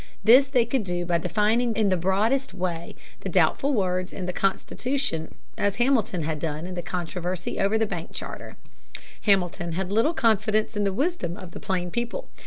This they could do by defining in the broadest way the doubtful words in the Constitution as Hamilton had done in the controversy over the bank charter (p. 162). Hamilton had little confidence in the wisdom of the plain people.